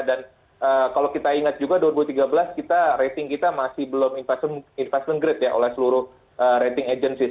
dan kalau kita ingat juga dua ribu tiga belas kita rating kita masih belum investment grade ya oleh seluruh rating agencies